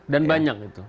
dan banyak itu